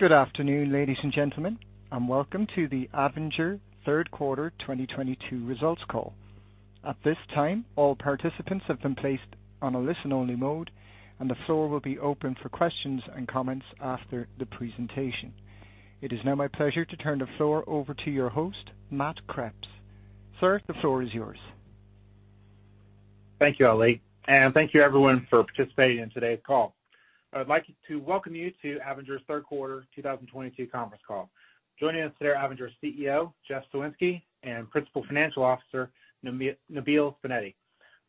Good afternoon, ladies and gentlemen, and welcome to the Avinger third quarter 2022 results call. At this time, all participants have been placed on a listen-only mode, and the floor will be open for questions and comments after the presentation. It is now my pleasure to turn the floor over to your host, Matt Kreps. Sir, the floor is yours. Thank you, Ali, and thank you everyone for participating in today's call. I'd like to welcome you to Avinger's third quarter 2022 conference call. Joining us today are Avinger's CEO, Jeff Soinski, and Principal Financial Officer, Nabeel Subainati.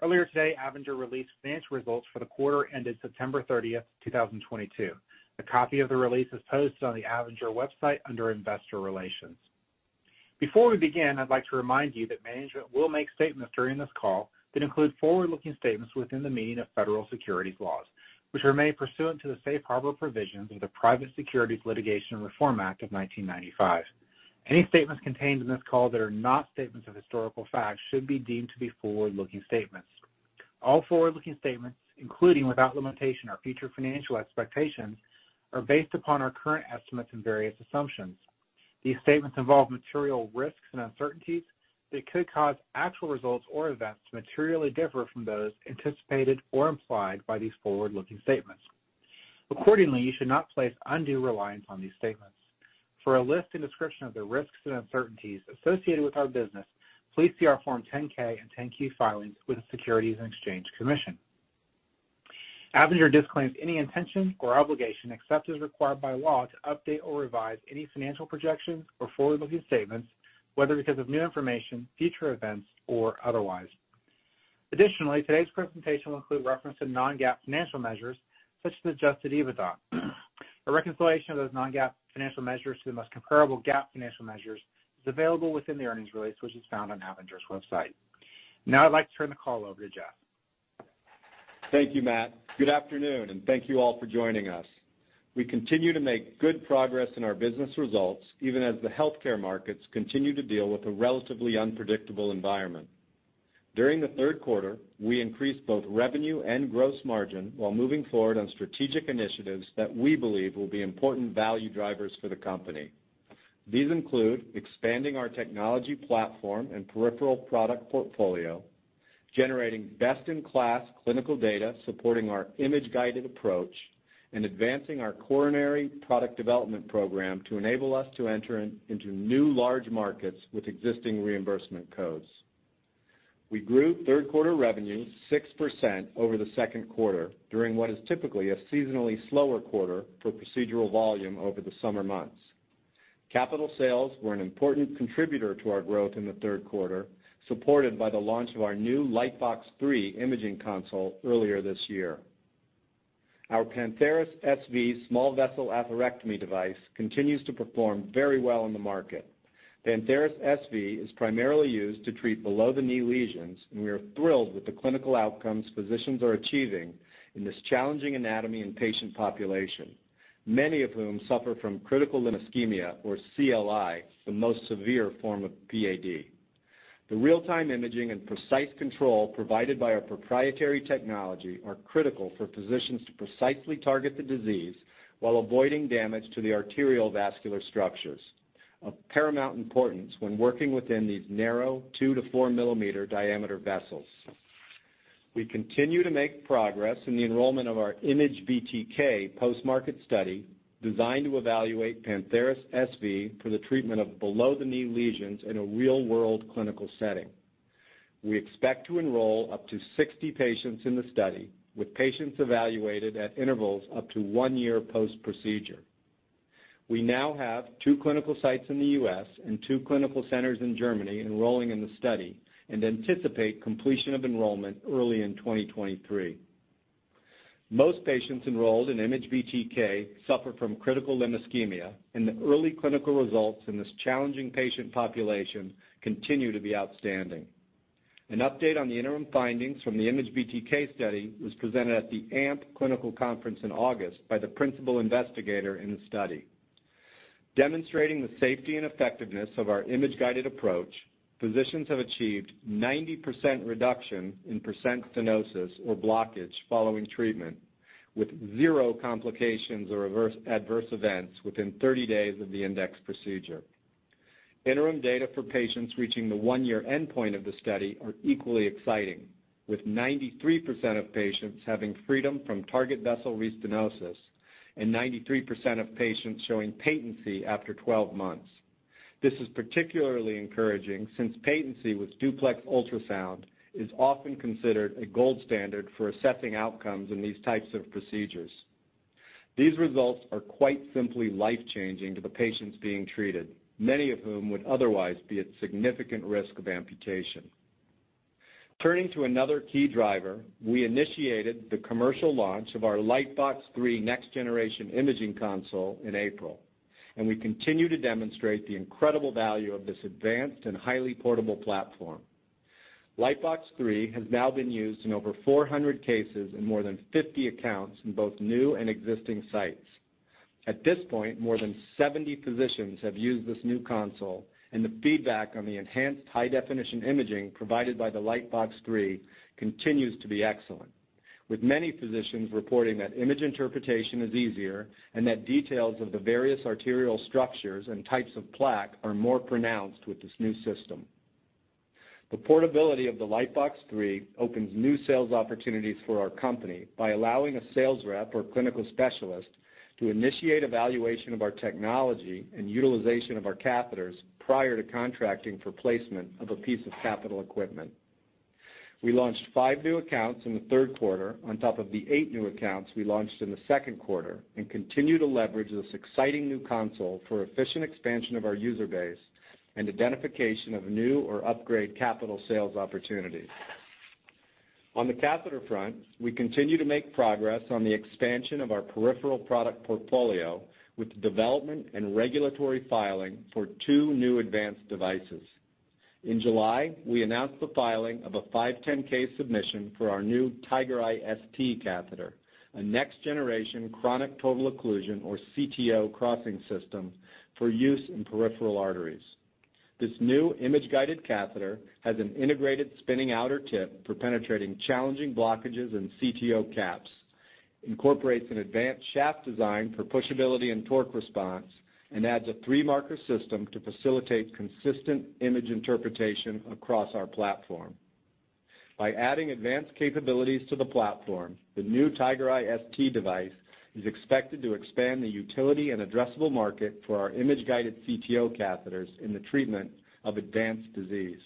Earlier today, Avinger released financial results for the quarter ended September 30th, 2022. A copy of the release is posted on the Avinger website under Investor Relations. Before we begin, I'd like to remind you that management will make statements during this call that include forward-looking statements within the meaning of federal securities laws, which are made pursuant to the safe harbor provisions of the Private Securities Litigation Reform Act of 1995. Any statements contained in this call that are not statements of historical fact should be deemed to be forward-looking statements. All forward-looking statements, including, without limitation, our future financial expectations, are based upon our current estimates and various assumptions. These statements involve material risks and uncertainties that could cause actual results or events to materially differ from those anticipated or implied by these forward-looking statements. Accordingly, you should not place undue reliance on these statements. For a list and description of the risks and uncertainties associated with our business, please see our Form 10-K and 10-Q filings with the Securities and Exchange Commission. Avinger disclaims any intention or obligation, except as required by law, to update or revise any financial projections or forward-looking statements, whether because of new information, future events, or otherwise. Additionally, today's presentation will include reference to non-GAAP financial measures, such as adjusted EBITDA. A reconciliation of those non-GAAP financial measures to the most comparable GAAP financial measures is available within the earnings release, which is found on Avinger's website. Now I'd like to turn the call over to Jeff. Thank you, Matt. Good afternoon, and thank you all for joining us. We continue to make good progress in our business results, even as the healthcare markets continue to deal with a relatively unpredictable environment. During the third quarter, we increased both revenue and gross margin while moving forward on strategic initiatives that we believe will be important value drivers for the company. These include expanding our technology platform and peripheral product portfolio, generating best-in-class clinical data supporting our image-guided approach, and advancing our coronary product development program to enable us to enter into new large markets with existing reimbursement codes. We grew third quarter revenue 6% over the second quarter during what is typically a seasonally slower quarter for procedural volume over the summer months. Capital sales were an important contributor to our growth in the third quarter, supported by the launch of our new Lightbox 3 imaging console earlier this year. Our Pantheris SV small vessel atherectomy device continues to perform very well in the market. Pantheris SV is primarily used to treat below-the-knee lesions, and we are thrilled with the clinical outcomes physicians are achieving in this challenging anatomy and patient population, many of whom suffer from critical limb ischemia or CLI, the most severe form of PAD. The real-time imaging and precise control provided by our proprietary technology are critical for physicians to precisely target the disease while avoiding damage to the arterial vascular structures, of paramount importance when working within these narrow 2-4 mm diameter vessels. We continue to make progress in the enrollment of our IMAGE-BTK post-market study designed to evaluate Pantheris SV for the treatment of below-the-knee lesions in a real-world clinical setting. We expect to enroll up to 60 patients in the study, with patients evaluated at intervals up to one year post-procedure. We now have two clinical sites in the U.S. and two clinical centers in Germany enrolling in the study and anticipate completion of enrollment early in 2023. Most patients enrolled in IMAGE-BTK suffer from critical limb ischemia, and the early clinical results in this challenging patient population continue to be outstanding. An update on the interim findings from the IMAGE-BTK study was presented at the Amputation Prevention Symposium in August by the principal investigator in the study. Demonstrating the safety and effectiveness of our image-guided approach, physicians have achieved 90% reduction in percent stenosis or blockage following treatment, with zero complications or adverse events within 30 days of the index procedure. Interim data for patients reaching the one-year endpoint of the study are equally exciting, with 93% of patients having freedom from target vessel restenosis and 93% of patients showing patency after 12 months. This is particularly encouraging since patency with duplex ultrasound is often considered a gold standard for assessing outcomes in these types of procedures. These results are quite simply life-changing to the patients being treated, many of whom would otherwise be at significant risk of amputation. Turning to another key driver, we initiated the commercial launch of our Lightbox 3 next generation imaging console in April, and we continue to demonstrate the incredible value of this advanced and highly portable platform. Lightbox 3 has now been used in over 400 cases in more than 50 accounts in both new and existing sites. At this point, more than 70 physicians have used this new console, and the feedback on the enhanced high-definition imaging provided by the Lightbox 3 continues to be excellent. With many physicians reporting that image interpretation is easier and that details of the various arterial structures and types of plaque are more pronounced with this new system. The portability of the Lightbox 3 opens new sales opportunities for our company by allowing a sales rep or clinical specialist to initiate evaluation of our technology and utilization of our catheters prior to contracting for placement of a piece of capital equipment. We launched five new accounts in the third quarter on top of the eight new accounts we launched in the second quarter, and continue to leverage this exciting new console for efficient expansion of our user base and identification of new or upgrade capital sales opportunities. On the catheter front, we continue to make progress on the expansion of our peripheral product portfolio with the development and regulatory filing for two new advanced devices. In July, we announced the filing of a 510(k) submission for our new TigerEye ST catheter, a next-generation chronic total occlusion, or CTO, crossing system for use in peripheral arteries. This new image-guided catheter has an integrated spinning outer tip for penetrating challenging blockages in CTO caps, incorporates an advanced shaft design for pushability and torque response, and adds a three-marker system to facilitate consistent image interpretation across our platform. By adding advanced capabilities to the platform, the new TigerEye ST device is expected to expand the utility and addressable market for our image-guided CTO catheters in the treatment of advanced disease.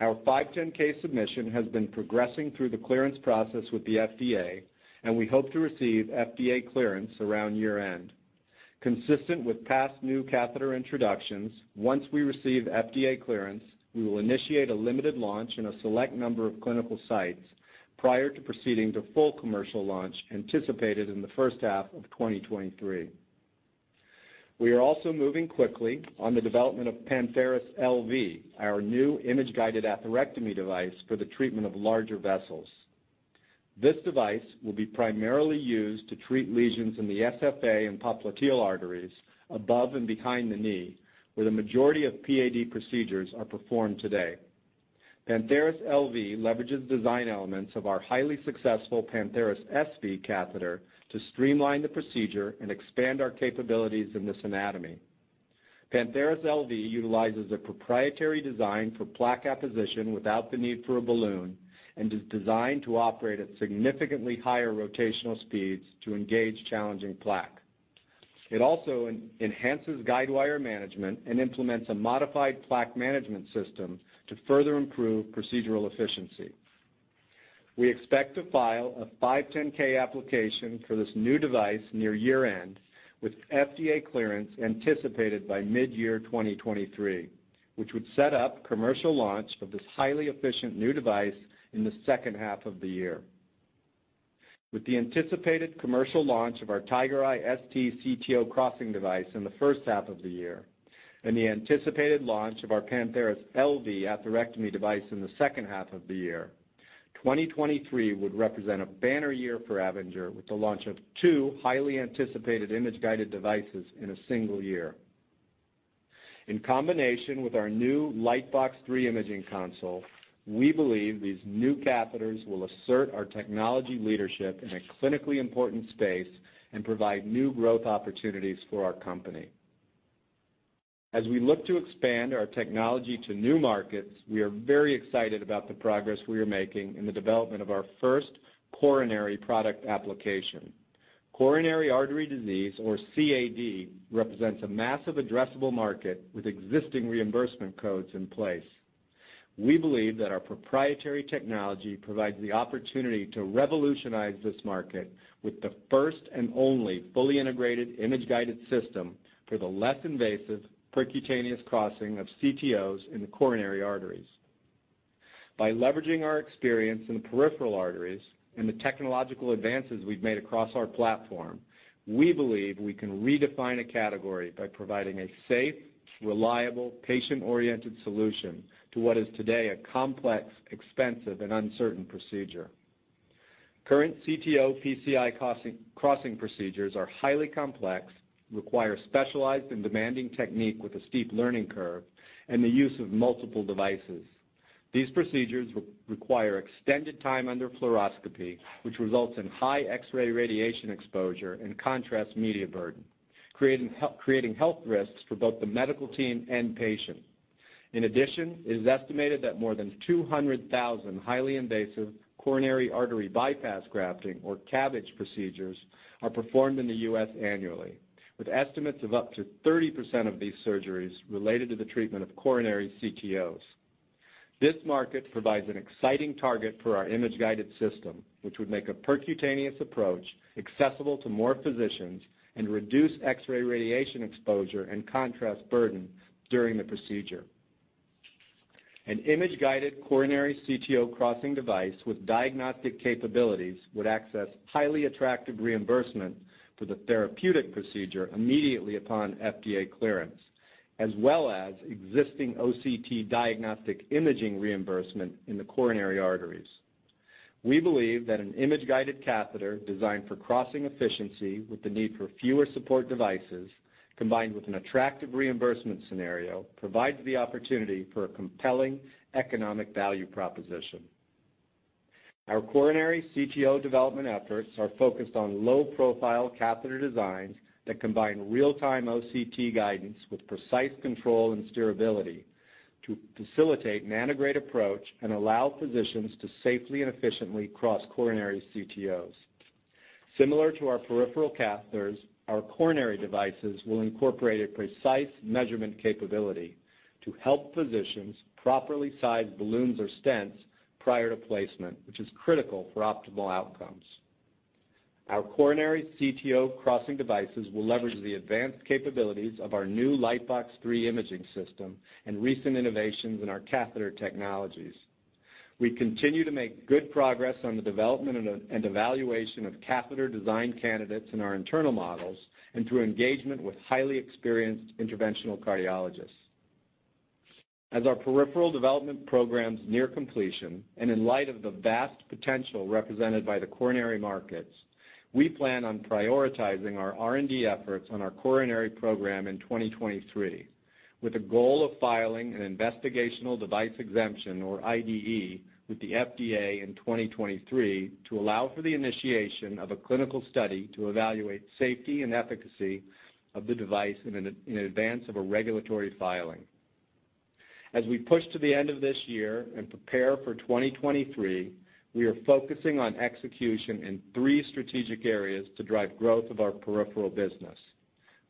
Our 510(k) submission has been progressing through the clearance process with the FDA, and we hope to receive FDA clearance around year-end. Consistent with past new catheter introductions, once we receive FDA clearance, we will initiate a limited launch in a select number of clinical sites prior to proceeding to full commercial launch anticipated in the first half of 2023. We are also moving quickly on the development of Pantheris LV, our new image-guided atherectomy device for the treatment of larger vessels. This device will be primarily used to treat lesions in the SFA and popliteal arteries above and behind the knee, where the majority of PAD procedures are performed today. Pantheris LV leverages design elements of our highly successful Pantheris SV catheter to streamline the procedure and expand our capabilities in this anatomy. Pantheris LV utilizes a proprietary design for plaque apposition without the need for a balloon and is designed to operate at significantly higher rotational speeds to engage challenging plaque. It also enhances guide wire management and implements a modified plaque management system to further improve procedural efficiency. We expect to file a 510(k) application for this new device near year-end, with FDA clearance anticipated by mid-2023, which would set up commercial launch of this highly efficient new device in the second half of the year. With the anticipated commercial launch of our TigerEye ST CTO crossing device in the first half of the year and the anticipated launch of our Pantheris LV atherectomy device in the second half of the year, 2023 would represent a banner year for Avinger with the launch of two highly anticipated image-guided devices in a single year. In combination with our new Lightbox 3 imaging console, we believe these new catheters will assert our technology leadership in a clinically important space and provide new growth opportunities for our company. As we look to expand our technology to new markets, we are very excited about the progress we are making in the development of our first coronary product application. Coronary artery disease, or CAD, represents a massive addressable market with existing reimbursement codes in place. We believe that our proprietary technology provides the opportunity to revolutionize this market with the first and only fully integrated image-guided system for the less invasive percutaneous crossing of CTOs in the coronary arteries. By leveraging our experience in peripheral arteries and the technological advances we've made across our platform, we believe we can redefine a category by providing a safe, reliable, patient-oriented solution to what is today a complex, expensive, and uncertain procedure. Current CTO PCI crossing procedures are highly complex, require specialized and demanding technique with a steep learning curve, and the use of multiple devices. These procedures require extended time under fluoroscopy, which results in high X-ray radiation exposure and contrast media burden, creating health risks for both the medical team and patient. In addition, it is estimated that more than 200,000 highly invasive coronary artery bypass grafting, or CABG, procedures are performed in the U.S. annually, with estimates of up to 30% of these surgeries related to the treatment of coronary CTOs. This market provides an exciting target for our image-guided system, which would make a percutaneous approach accessible to more physicians and reduce X-ray radiation exposure and contrast burden during the procedure. An image-guided coronary CTO crossing device with diagnostic capabilities would access highly attractive reimbursement for the therapeutic procedure immediately upon FDA clearance, as well as existing OCT diagnostic imaging reimbursement in the coronary arteries. We believe that an image-guided catheter designed for crossing efficiency with the need for fewer support devices combined with an attractive reimbursement scenario provides the opportunity for a compelling economic value proposition. Our coronary CTO development efforts are focused on low-profile catheter designs that combine real-time OCT guidance with precise control and steerability to facilitate antegrade approach and allow physicians to safely and efficiently cross coronary CTOs. Similar to our peripheral catheters, our coronary devices will incorporate a precise measurement capability to help physicians properly size balloons or stents prior to placement, which is critical for optimal outcomes. Our coronary CTO crossing devices will leverage the advanced capabilities of our new Lightbox 3 imaging system and recent innovations in our catheter technologies. We continue to make good progress on the development and evaluation of catheter design candidates in our internal models and through engagement with highly experienced interventional cardiologists. As our peripheral development programs near completion, and in light of the vast potential represented by the coronary markets, we plan on prioritizing our R&D efforts on our coronary program in 2023, with a goal of filing an investigational device exemption or IDE with the FDA in 2023 to allow for the initiation of a clinical study to evaluate safety and efficacy of the device in advance of a regulatory filing. As we push to the end of this year and prepare for 2023, we are focusing on execution in three strategic areas to drive growth of our peripheral business.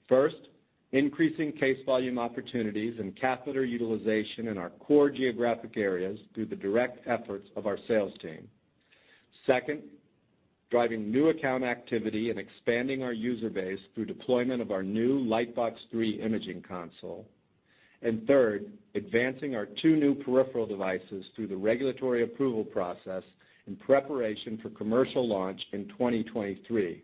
First, increasing case volume opportunities and catheter utilization in our core geographic areas through the direct efforts of our sales team. Second, driving new account activity and expanding our user base through deployment of our new Lightbox 3 imaging console. Third, advancing our two new peripheral devices through the regulatory approval process in preparation for commercial launch in 2023,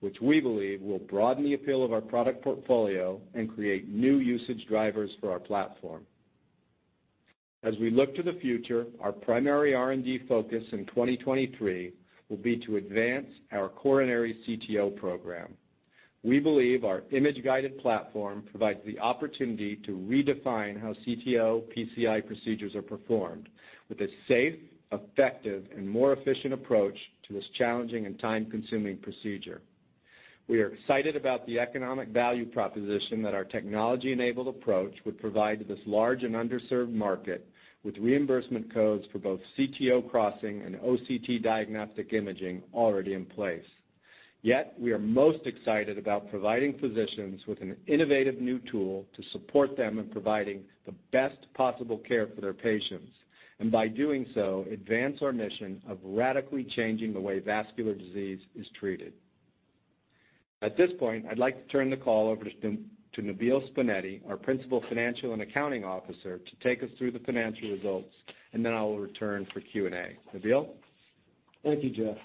which we believe will broaden the appeal of our product portfolio and create new usage drivers for our platform. As we look to the future, our primary R&D focus in 2023 will be to advance our coronary CTO program. We believe our image-guided platform provides the opportunity to redefine how CTO PCI procedures are performed with a safe, effective, and more efficient approach to this challenging and time-consuming procedure. We are excited about the economic value proposition that our technology-enabled approach would provide to this large and underserved market, with reimbursement codes for both CTO crossing and OCT diagnostic imaging already in place. Yet, we are most excited about providing physicians with an innovative new tool to support them in providing the best possible care for their patients, and by doing so, advance our mission of radically changing the way vascular disease is treated. At this point, I'd like to turn the call over to Nabeel Subainati, our Principal Financial and Accounting Officer, to take us through the financial results, and then I will return for Q&A. Nabeel Subainati? Thank you, Jeff.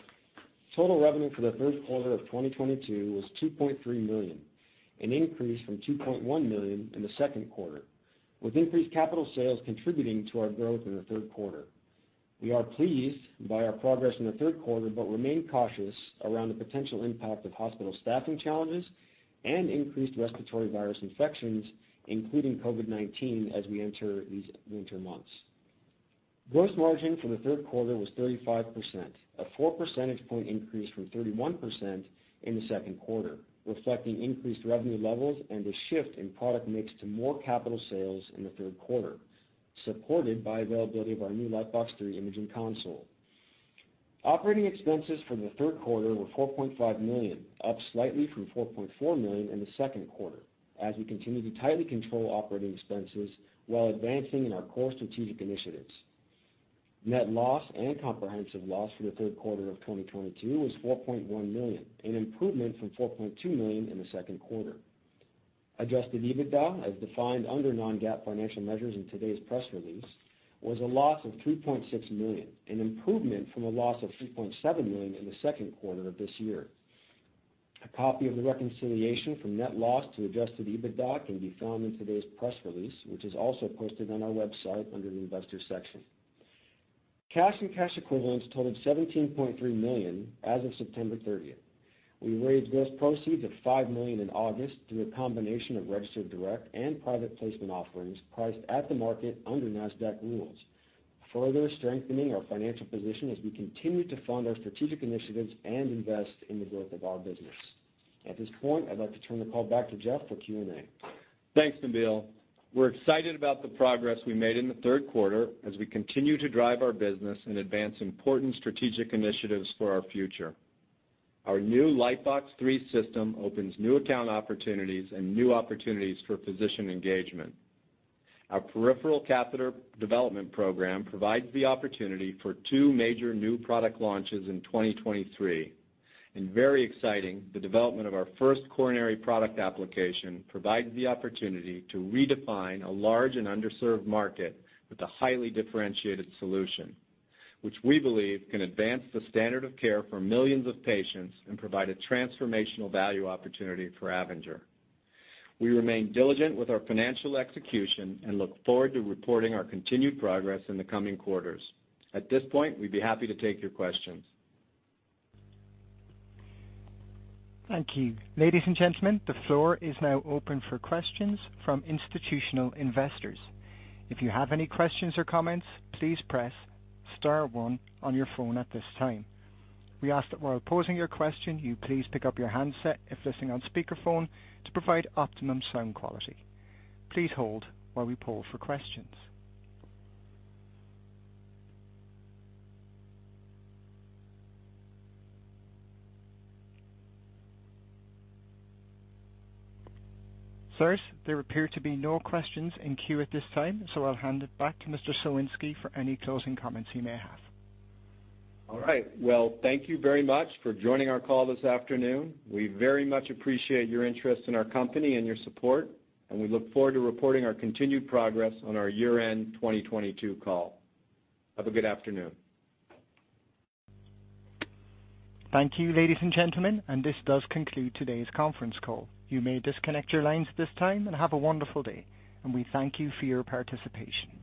Total revenue for the third quarter of 2022 was $2.3 million, an increase from $2.1 million in the second quarter, with increased capital sales contributing to our growth in the third quarter. We are pleased by our progress in the third quarter, but remain cautious around the potential impact of hospital staffing challenges and increased respiratory virus infections, including COVID-19, as we enter these winter months. Gross margin for the third quarter was 35%, a four percentage point increase from 31% in the second quarter, reflecting increased revenue levels and a shift in product mix to more capital sales in the third quarter, supported by availability of our new Lightbox 3 imaging console. Operating expenses for the third quarter were $4.5 million, up slightly from $4.4 million in the second quarter as we continue to tightly control operating expenses while advancing in our core strategic initiatives. Net loss and comprehensive loss for the third quarter of 2022 was $4.1 million, an improvement from $4.2 million in the second quarter. Adjusted EBITDA, as defined under non-GAAP financial measures in today's press release, was a loss of $3.6 million, an improvement from a loss of $3.7 million in the second quarter of this year. A copy of the reconciliation from net loss to adjusted EBITDA can be found in today's press release, which is also posted on our website under the Investors section. Cash and cash equivalents totaled $17.3 million as of September 30th. We raised gross proceeds of $5 million in August through a combination of registered direct and private placement offerings priced at the market under Nasdaq rules, further strengthening our financial position as we continue to fund our strategic initiatives and invest in the growth of our business. At this point, I'd like to turn the call back to Jeff for Q&A. Thanks, Nabeel. We're excited about the progress we made in the third quarter as we continue to drive our business and advance important strategic initiatives for our future. Our new Lightbox 3 system opens new account opportunities and new opportunities for physician engagement. Our peripheral catheter development program provides the opportunity for two major new product launches in 2023. Very exciting, the development of our first coronary product application provides the opportunity to redefine a large and underserved market with a highly differentiated solution, which we believe can advance the standard of care for millions of patients and provide a transformational value opportunity for Avinger. We remain diligent with our financial execution and look forward to reporting our continued progress in the coming quarters. At this point, we'd be happy to take your questions. Thank you. Ladies and gentlemen, the floor is now open for questions from institutional investors. If you have any questions or comments, please press star one on your phone at this time. We ask that while posing your question, you please pick up your handset if listening on speakerphone to provide optimum sound quality. Please hold while we poll for questions. Sirs, there appear to be no questions in queue at this time, so I'll hand it back to Mr. Soinski for any closing comments he may have. All right. Well, thank you very much for joining our call this afternoon. We very much appreciate your interest in our company and your support, and we look forward to reporting our continued progress on our year-end 2022 call. Have a good afternoon. Thank you, ladies and gentlemen, and this does conclude today's conference call. You may disconnect your lines at this time and have a wonderful day, and we thank you for your participation.